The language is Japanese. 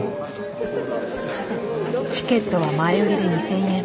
チケットは前売りで２，０００円。